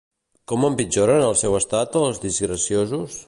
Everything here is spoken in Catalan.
Com empitjoren el seu estat els disgraciosos?